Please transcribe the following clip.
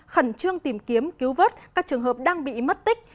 khẩn trương tìm kiếm cứu vớt các trường hợp đang bị mất tích